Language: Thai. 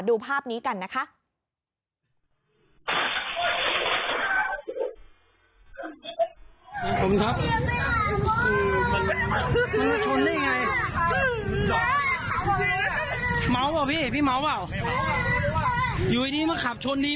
ดูภาพนี้กันนะคะ